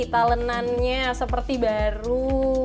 talenannya seperti baru